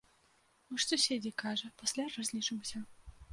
Мы ж суседзі, кажа, пасля разлічымся.